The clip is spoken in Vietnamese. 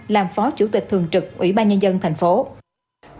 làm phó chủ tịch thường trực ủy ban nhân dân tp hcm